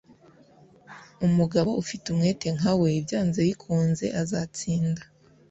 Umugabo ufite umwete nka we, byanze bikunze azatsinda.